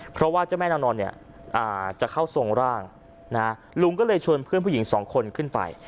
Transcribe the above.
เพราะว่าเจ้าแม่นางนอนเนี่ยจะเข้าทรงร่างนะลุงก็เลยชวนเพื่อนผู้หญิงสองคนขึ้นไป